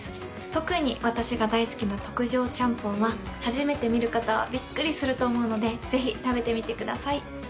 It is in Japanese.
特に私が大好きな特上ちゃんぽんは、初めて見る方はびっくりすると思うので、ぜひ食べてみてください。